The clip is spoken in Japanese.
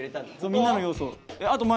みんなの要素を。